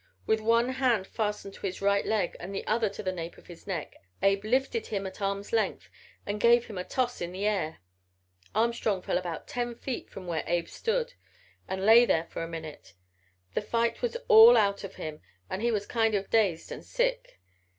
With one hand fastened to his right leg and the other on the nape of his neck Abe lifted him at arm's length and gave him a toss in the air. Armstrong fell about ten feet from where Abe stood and lay there for a minute. The fight was all out of him and he was kind of dazed and sick.